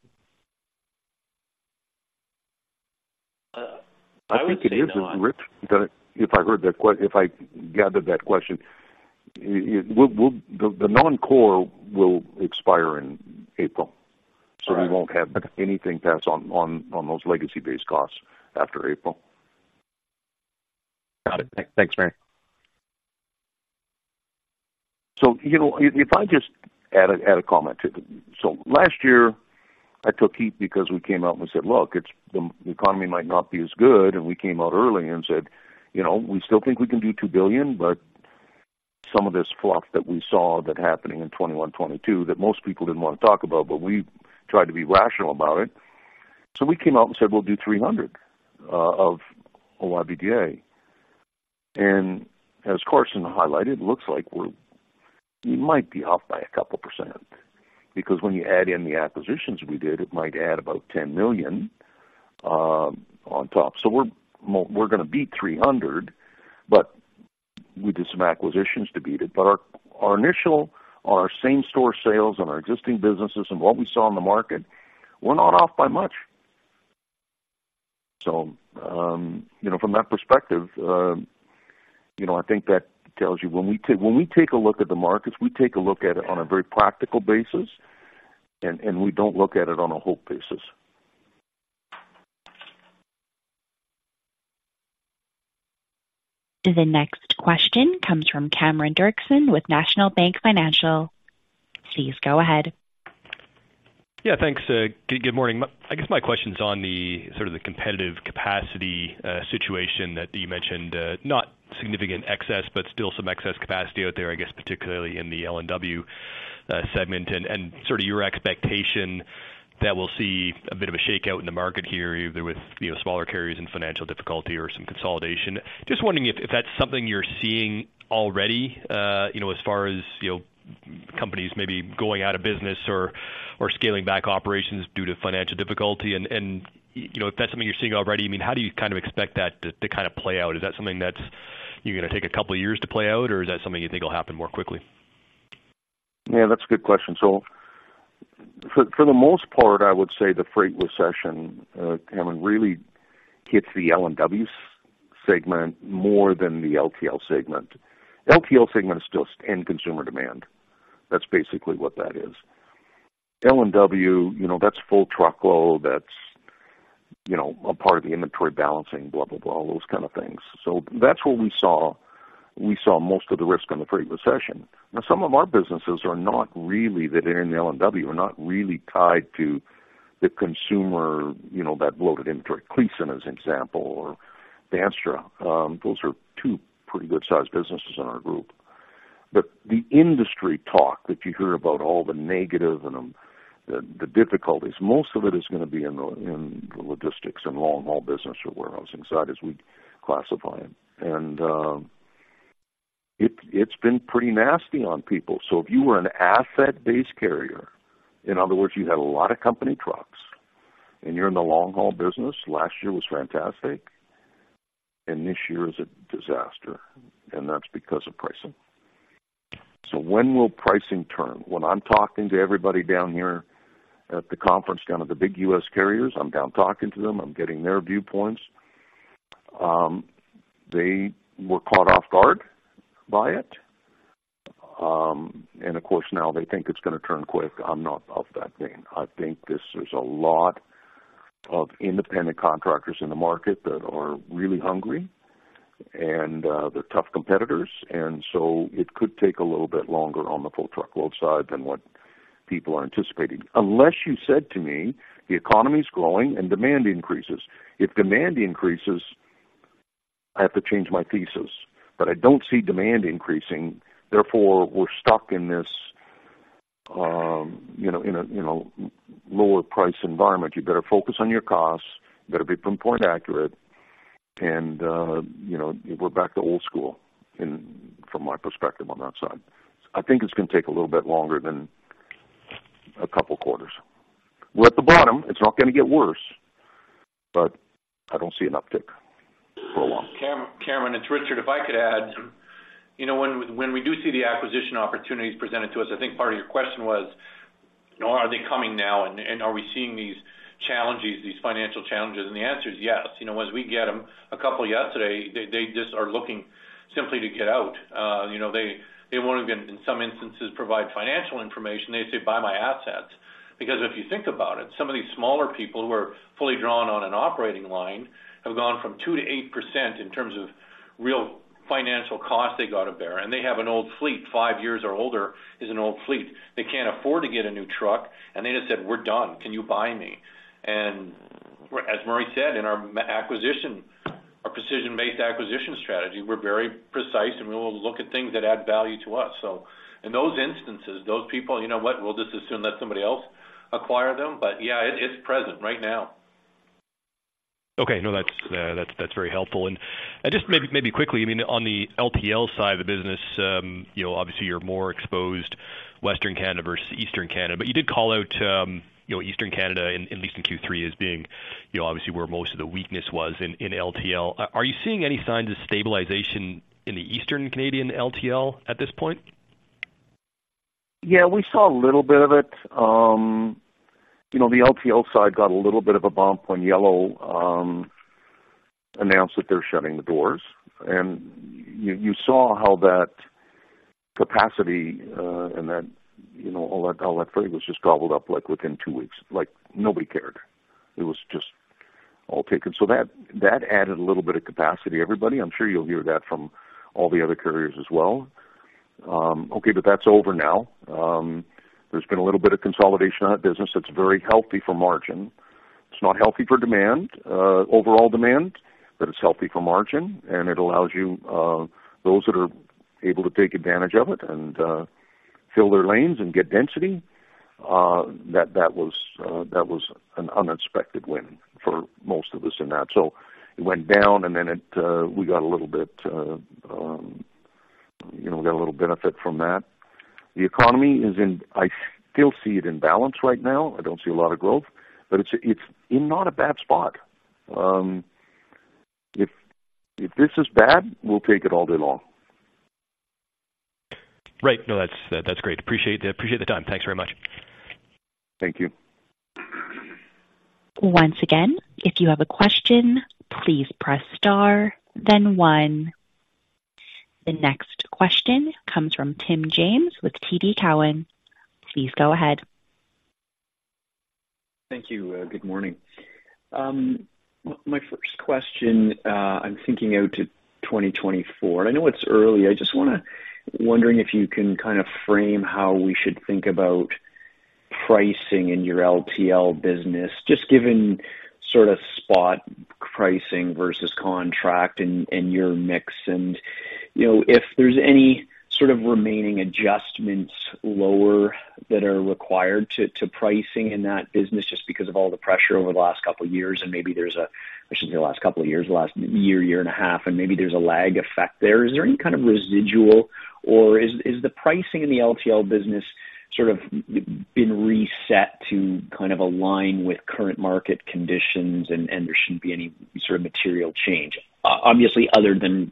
Speaker 3: I would say that-
Speaker 2: I think it is, Rich, if I heard that, if I gathered that question, it, we'll, the non-core will expire in April.
Speaker 6: Got it.
Speaker 2: So we won't have anything pass on those legacy-based costs after April.
Speaker 6: Got it. Thanks, Murray.
Speaker 2: So, you know, if I just add a comment to it. So last year, I took heat because we came out and we said: Look, it's, the economy might not be as good, and we came out early and said: You know, we still think we can do 2 billion, but some of this fluff that we saw that happening in 2021, 2022, that most people didn't want to talk about, but we tried to be rational about it. So we came out and said: We'll do 300 million of OIBDA. And as Carson highlighted, it looks like we're, we might be off by a couple percent, because when you add in the acquisitions we did, it might add about 10 million on top. So we're, we're gonna beat 300 million, but we did some acquisitions to beat it. But our initial same store sales and our existing businesses and what we saw in the market were not off by much. So, you know, from that perspective, you know, I think that tells you when we take a look at the markets, we take a look at it on a very practical basis, and we don't look at it on a hope basis.
Speaker 1: The next question comes from Cameron Doerksen with National Bank Financial. Please go ahead.
Speaker 7: Yeah, thanks. Good morning. My question's on the sort of the competitive capacity situation that you mentioned, not significant excess, but still some excess capacity out there, I guess, particularly in the L&W segment, and sort of your expectation that we'll see a bit of a shakeout in the market here, either with, you know, smaller carriers in financial difficulty or some consolidation. Just wondering if that's something you're seeing already, you know, as far as, you know, companies maybe going out of business or scaling back operations due to financial difficulty. And, you know, if that's something you're seeing already, I mean, how do you kind of expect that to kind of play out? Is that something that's, you're gonna take a couple of years to play out, or is that something you think will happen more quickly?
Speaker 2: Yeah, that's a good question. So for the most part, I would say the freight recession, Cameron, really hits the L&W's segment more than the LTL segment. LTL segment is still end consumer demand. That's basically what that is. L&W, you know, that's full truckload, that's, you know, a part of the inventory balancing, blah, blah, blah, all those kind of things. So that's what we saw. We saw most of the risk in the freight recession. Now, some of our businesses are not really that in the L&W, are not really tied to the consumer, you know, that bloated inventory. Kleysen, as an example, or Bandstra, those are two pretty good sized businesses in our group. But the industry talk that you hear about all the negative and, the difficulties, most of it is gonna be in the, in the logistics and long haul business or warehousing side, as we'd classify it. And, it, it's been pretty nasty on people. So if you were an asset-based carrier, in other words, you had a lot of company trucks and you're in the long haul business, last year was fantastic, and this year is a disaster, and that's because of pricing. So when will pricing turn? When I'm talking to everybody down here at the conference, kind of the big U.S. carriers, I'm down talking to them. I'm getting their viewpoints. They were caught off guard by it, and of course, now they think it's gonna turn quick. I'm not of that vein. I think this, there's a lot of independent contractors in the market that are really hungry, and they're tough competitors, and so it could take a little bit longer on the full truckload side than what people are anticipating. Unless you said to me, the economy is growing and demand increases. If demand increases, I have to change my thesis, but I don't see demand increasing. Therefore, we're stuck in this, you know, in a, you know, lower price environment. You better focus on your costs. You better be pinpoint accurate. And, you know, we're back to old school in from my perspective on that side. I think it's gonna take a little bit longer than a couple quarters. We're at the bottom. It's not gonna get worse, but I don't see an uptick for a while.
Speaker 8: Cameron, it's Richard. If I could add, you know, when, when we do see the acquisition opportunities presented to us, I think part of your question was, are they coming now, and, and are we seeing these challenges, these financial challenges? And the answer is yes. You know, as we get them, a couple yesterday, they, they just are looking simply to get out. You know, they, they won't even, in some instances, provide financial information. They say, "Buy my assets." Because if you think about it, some of these smaller people who are fully drawn on an operating line have gone from 2%-8% in terms of real financial cost they got to bear, and they have an old fleet. 5 years or older is an old fleet. They can't afford to get a new truck, and they just said, "We're done. Can you buy me?" As Murray said, in our acquisition, our precision-based acquisition strategy, we're very precise, and we will look at things that add value to us. So in those instances, those people, you know what? We'll just assume let somebody else acquire them. But yeah, it, it's present right now.
Speaker 7: Okay. No, that's very helpful. And just maybe quickly, I mean, on the LTL side of the business, you know, obviously you're more exposed Western Canada versus Eastern Canada, but you did call out, you know, Eastern Canada in at least Q3, as being, you know, obviously where most of the weakness was in LTL. Are you seeing any signs of stabilization in the Eastern Canadian LTL at this point?
Speaker 2: Yeah, we saw a little bit of it. You know, the LTL side got a little bit of a bump when Yellow announced that they're shutting the doors, and you, you saw how that capacity, and that, you know, all that, all that freight was just gobbled up, like, within two weeks. Like, nobody cared. It was just all taken. So that, that added a little bit of capacity. Everybody, I'm sure you'll hear that from all the other carriers as well. Okay, but that's over now. There's been a little bit of consolidation on that business that's very healthy for margin. It's not healthy for demand, overall demand, but it's healthy for margin, and it allows you, those that are able to take advantage of it and fill their lanes and get density, that was an unexpected win for most of us in that. So it went down, and then we got a little bit, you know, got a little benefit from that. The economy is in balance right now. I still see it in balance right now. I don't see a lot of growth, but it's in not a bad spot. If this is bad, we'll take it all day long.
Speaker 7: Right. No, that's, that's great. Appreciate the, appreciate the time. Thanks very much.
Speaker 2: Thank you.
Speaker 1: Once again, if you have a question, please press star then one. The next question comes from Tim James with TD Cowen. Please go ahead.
Speaker 9: Thank you. Good morning. My first question, I'm thinking out to 2024, and I know it's early. I just wanna wondering if you can kind of frame how we should think about pricing in your LTL business, just given sort of spot pricing versus contract and, and your mix. And, you know, if there's any sort of remaining adjustments lower that are required to, to pricing in that business, just because of all the pressure over the last couple of years, and maybe there's a, I should say, the last couple of years, last year, year and a half, and maybe there's a lag effect there. Is there any kind of residual, or is, is the pricing in the LTL business... sort of been reset to kind of align with current market conditions, and there shouldn't be any sort of material change, obviously, other than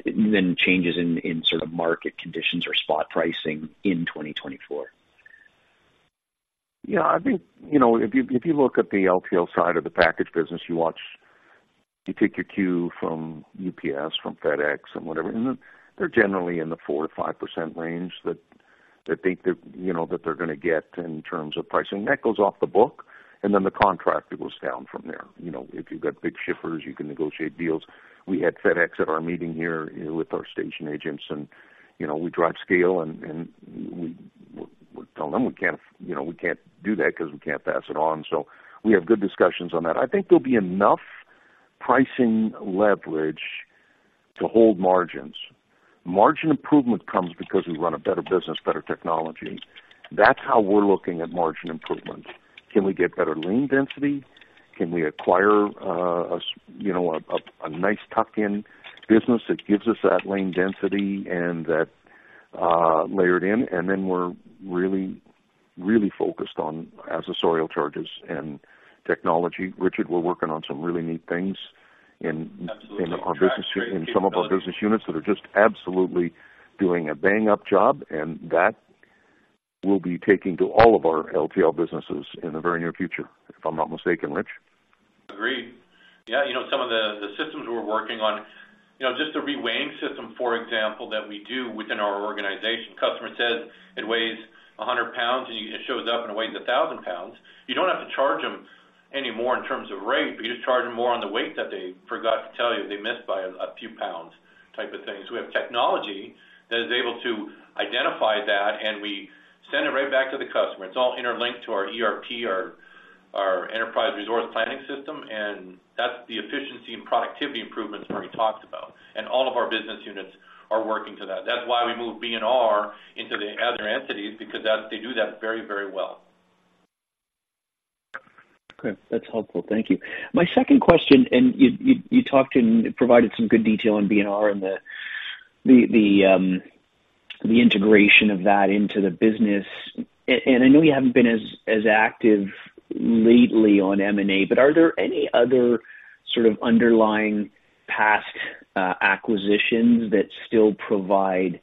Speaker 9: changes in sort of market conditions or spot pricing in 2024?
Speaker 2: Yeah, I think, you know, if you, if you look at the LTL side of the package business, you watch-- you take your cue from UPS, from FedEx and whatever, and then they're generally in the 4%-5% range that, that they, you know, that they're gonna get in terms of pricing. That goes off the book, and then the contract goes down from there. You know, if you've got big shippers, you can negotiate deals. We had FedEx at our meeting here with our station agents, and, you know, we drive scale, and, and we, we tell them we can't, you know, we can't do that because we can't pass it on. So we have good discussions on that. I think there'll be enough pricing leverage to hold margins. Margin improvement comes because we run a better business, better technology. That's how we're looking at margin improvement. Can we get better lane density? Can we acquire, you know, a nice tuck-in business that gives us that lane density and that layered in? And then we're really, really focused on accessorial charges and technology. Richard, we're working on some really neat things in-
Speaker 8: Absolutely.
Speaker 2: Our business, in some of our business units that are just absolutely doing a bang-up job, and that we'll be taking to all of our LTL businesses in the very near future, if I'm not mistaken, Rich.
Speaker 8: Agreed. Yeah, you know, some of the, the systems we're working on, you know, just the reweighing system, for example, that we do within our organization. Customer says it weighs 100 pounds, and it shows up and it weighs 1,000 pounds. You don't have to charge them any more in terms of rate, but you just charge them more on the weight that they forgot to tell you, they missed by a few pounds, type of thing. So we have technology that is able to identify that, and we send it right back to the customer. It's all interlinked to our ERP, our, our enterprise resource planning system, and that's the efficiency and productivity improvements Murray talked about, and all of our business units are working to that. That's why we moved B&R into the other entities, because that-- they do that very, very well.
Speaker 9: Okay, that's helpful. Thank you. My second question, and you talked and provided some good detail on B&R and the integration of that into the business. And I know you haven't been as active lately on M&A, but are there any other sort of underlying past acquisitions that still provide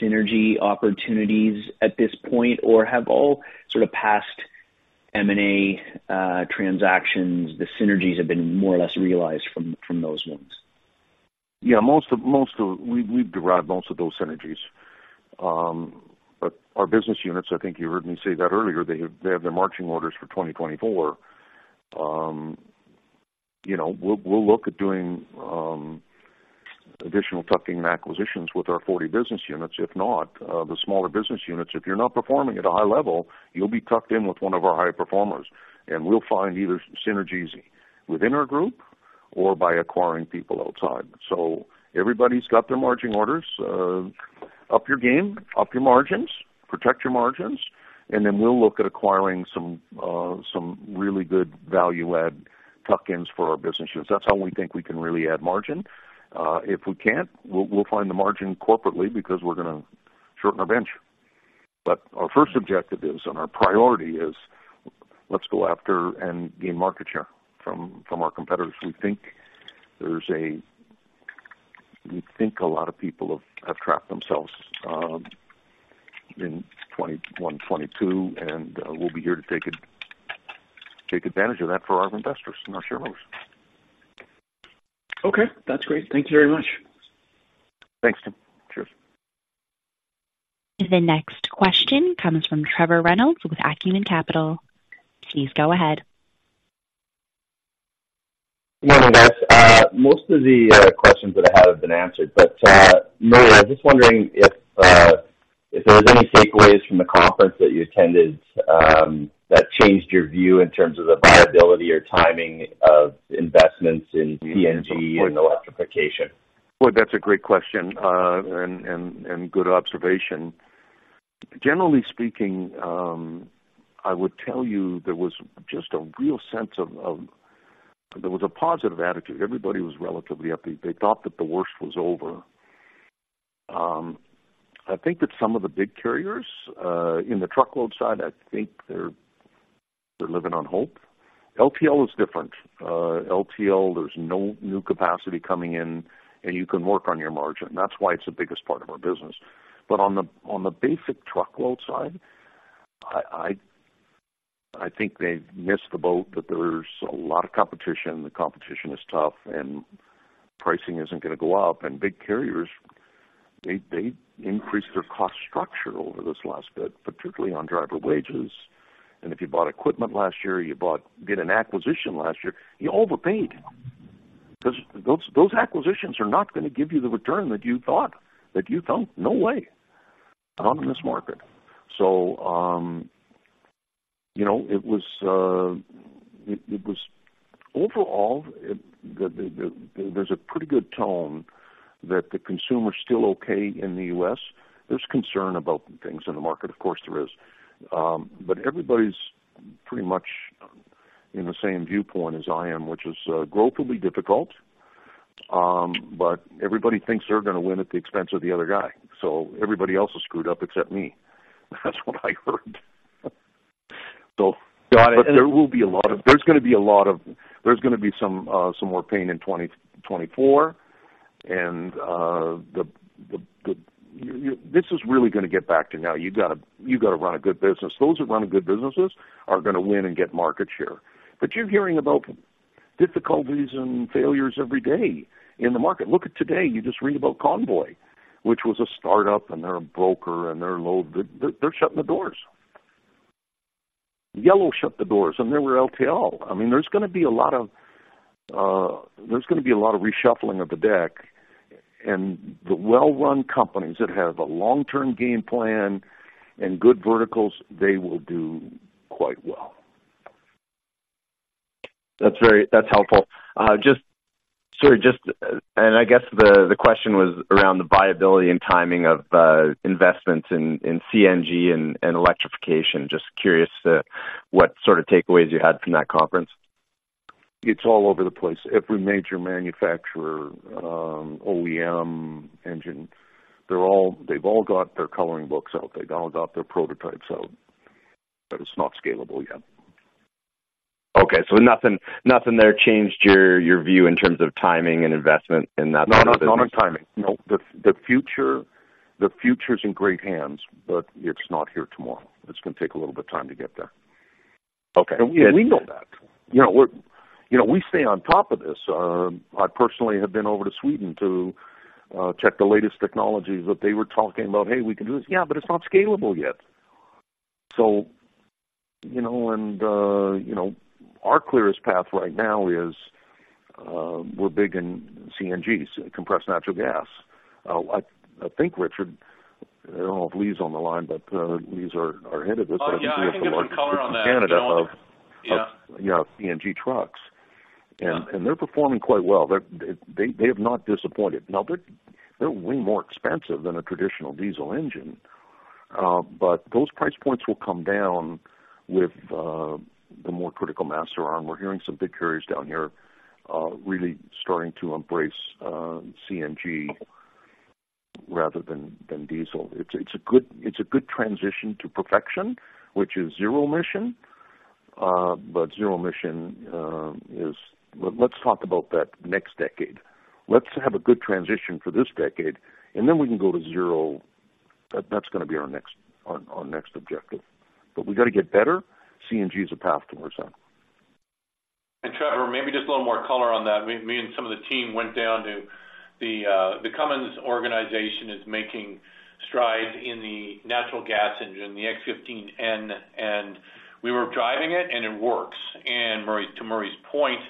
Speaker 9: synergy opportunities at this point? Or have all sort of past M&A transactions, the synergies have been more or less realized from those ones?
Speaker 2: Yeah, most of. We've derived most of those synergies. But our business units, I think you heard me say that earlier, they have their marching orders for 2024. You know, we'll look at doing additional tuck-in and acquisitions with our 40 business units. If not, the smaller business units, if you're not performing at a high level, you'll be tucked in with one of our higher performers, and we'll find either synergies within our group or by acquiring people outside. So everybody's got their marching orders. Up your game, up your margins, protect your margins, and then we'll look at acquiring some really good value add tuck-ins for our business units. That's how we think we can really add margin. If we can't, we'll find the margin corporately because we're gonna shorten our bench. But our first objective is, and our priority is let's go after and gain market share from our competitors. We think a lot of people have trapped themselves in 2021, 2022, and we'll be here to take advantage of that for our investors and our shareholders.
Speaker 9: Okay. That's great. Thank you very much.
Speaker 2: Thanks, Tim. Cheers.
Speaker 1: The next question comes from Trevor Reynolds with Acumen Capital. Please go ahead.
Speaker 10: Good morning, guys. Most of the questions that I had have been answered, but Murray, I was just wondering if there was any takeaways from the conference that you attended that changed your view in terms of the viability or timing of investments in CNG and electrification?
Speaker 2: Boy, that's a great question and good observation. Generally speaking, I would tell you there was just a real sense of there was a positive attitude. Everybody was relatively upbeat. They thought that the worst was over. I think that some of the big carriers in the truckload side, I think they're living on hope. LTL is different. LTL, there's no new capacity coming in, and you can work on your margin. That's why it's the biggest part of our business. But on the basic truckload side, I think they missed the boat, that there's a lot of competition. The competition is tough, and pricing isn't gonna go up. And big carriers, they increased their cost structure over this last bit, particularly on driver wages. And if you bought equipment last year, you bought, did an acquisition last year, you overpaid. Because those, those acquisitions are not gonna give you the return that you thought, that you thought. No way, not in this market. So, you know, it was overall, there's a pretty good tone that the consumer is still okay in the US. There's concern about things in the market, of course, there is. But everybody's pretty much in the same viewpoint as I am, which is, growth will be difficult, but everybody thinks they're gonna win at the expense of the other guy. So everybody else is screwed up except me. That's what I heard. So-
Speaker 10: Got it.
Speaker 2: But there will be a lot of-- There's gonna be a lot of... There's gonna be some, some more pain in 2024. And, the, you, this is really gonna get back to now. You've gotta, you've gotta run a good business. Those who are running good businesses are gonna win and get market share. But you're hearing about difficulties and failures every day in the market. Look at today, you just read about Convoy, which was a startup, and they're a broker, and they're low. They're shutting the doors. Yellow shut the doors, and they were LTL. I mean, there's gonna be a lot of, there's gonna be a lot of reshuffling of the deck, and the well-run companies that have a long-term game plan and good verticals, they will do quite well.
Speaker 10: That's very, that's helpful. Just, sir, and I guess the question was around the viability and timing of investments in CNG and electrification. Just curious to what sort of takeaways you had from that conference.
Speaker 2: It's all over the place. Every major manufacturer, OEM engine, they've all got their coloring books out. They've all got their prototypes out, but it's not scalable yet.
Speaker 10: Okay, so nothing there changed your view in terms of timing and investment in that-
Speaker 2: No, not on timing. No. The, the future, the future's in great hands, but it's not here tomorrow. It's gonna take a little bit of time to get there.
Speaker 10: Okay.
Speaker 2: We know that. You know, we're, you know, we stay on top of this. I personally have been over to Sweden to check the latest technologies that they were talking about. Hey, we can do this. Yeah, but it's not scalable yet. So, you know, our clearest path right now is, we're big in CNGs, compressed natural gas. I think, Richard, I don't know if Lee's on the line, but, Lee's are headed with that-
Speaker 8: Yeah, I can give color on that.
Speaker 2: Canada of-
Speaker 8: Yeah.
Speaker 2: You know, CNG trucks.
Speaker 8: Yeah.
Speaker 2: They're performing quite well. They have not disappointed. Now, they're way more expensive than a traditional diesel engine, but those price points will come down with the more critical mass around. We're hearing some big carriers down here really starting to embrace CNG rather than diesel. It's a good transition to perfection, which is zero emission. But zero emission is. Let's talk about that next decade. Let's have a good transition for this decade, and then we can go to zero. That's gonna be our next objective. But we've got to get better. CNG is a path towards that.
Speaker 8: And Trevor, maybe just a little more color on that. Me and some of the team went down to the, the Cummins organization is making strides in the natural gas engine, the X15N, and we were driving it, and it works. And Murray, to Murray's point,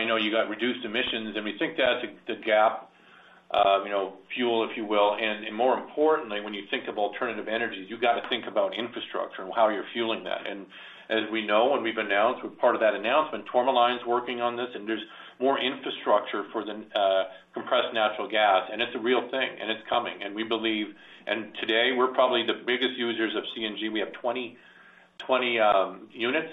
Speaker 8: you know, you got reduced emissions, and we think that's the gap, you know, fuel, if you will. And more importantly, when you think of alternative energies, you've got to think about infrastructure and how you're fueling that. And as we know and we've announced, we're part of that announcement, Tourmaline is working on this, and there's more infrastructure for the compressed natural gas, and it's a real thing, and it's coming. And we believe. And today we're probably the biggest users of CNG. We have 20, 20 units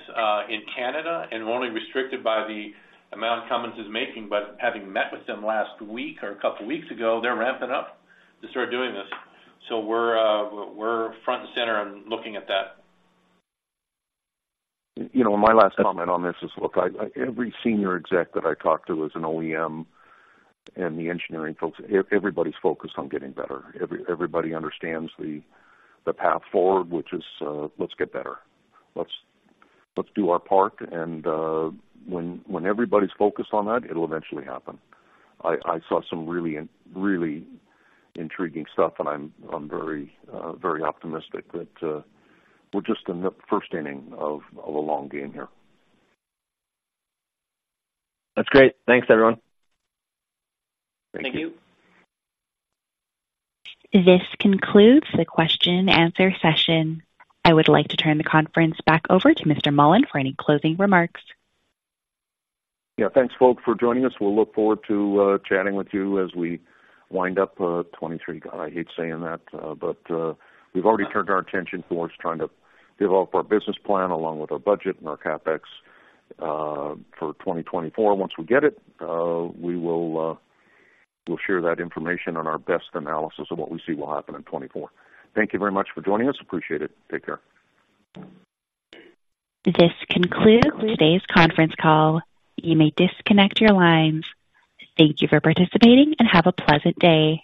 Speaker 8: in Canada, and we're only restricted by the amount Cummins is making. But having met with them last week or a couple weeks ago, they're ramping up to start doing this. So we're front and center on looking at that.
Speaker 2: You know, my last comment on this is, look, every senior exec that I talk to is an OEM and the engineering folks, everybody's focused on getting better. Everybody understands the path forward, which is, let's get better. Let's do our part, and when everybody's focused on that, it'll eventually happen. I saw some really really intriguing stuff, and I'm very very optimistic that we're just in the first inning of a long game here.
Speaker 10: That's great. Thanks, everyone.
Speaker 8: Thank you.
Speaker 2: Thank you.
Speaker 1: This concludes the question-and-answer session. I would like to turn the conference back over to Mr. Mullen for any closing remarks.
Speaker 2: Yeah, thanks, folks, for joining us. We'll look forward to chatting with you as we wind up 2023. I hate saying that, but we've already turned our attention towards trying to develop our business plan along with our budget and our CapEx for 2024. Once we get it, we'll share that information on our best analysis of what we see will happen in 2024. Thank you very much for joining us. Appreciate it. Take care.
Speaker 1: This concludes today's conference call. You may disconnect your lines. Thank you for participating, and have a pleasant day.